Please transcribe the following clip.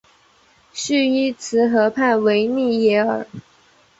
叙伊兹河畔维利耶尔。